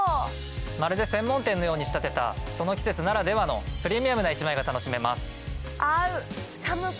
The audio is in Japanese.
まるで専門店のように仕立てたその季節ならではの。が楽しめます。